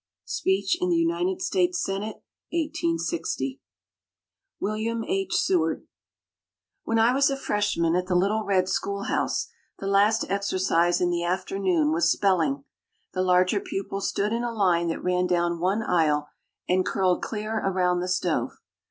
Speech in the United States Senate, 1860 [Illustration: WILLIAM H. SEWARD] When I was a freshman at the Little Red Schoolhouse, the last exercise in the afternoon was spelling. The larger pupils stood in a line that ran down one aisle and curled clear around the stove.